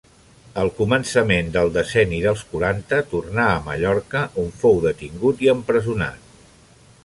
Al començament del decenni dels quaranta tornà a Mallorca on fou detingut i empresonat.